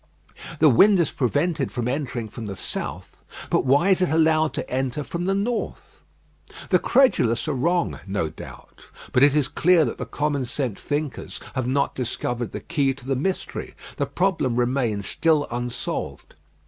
The wind is prevented from entering from the south; but why is it allowed to enter from the north? The credulous are wrong, no doubt; but it is clear that the common sense thinkers have not discovered the key to the mystery. The problem remains still unsolved.